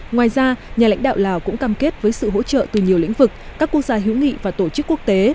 ngoài ra nhà lãnh đạo lào cũng cam kết với sự hỗ trợ từ nhiều lĩnh vực các quốc gia hữu nghị và tổ chức quốc tế